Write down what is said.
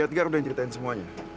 jadi edgar udah yang ceritain semuanya